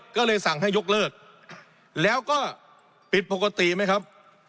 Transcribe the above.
ก็เลยสั่งให้ยกเลิกแล้วก็ปิดปกติไหมครับ